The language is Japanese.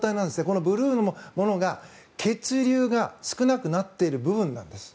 このブルーのものが、血流が少なくなっている部分なんです。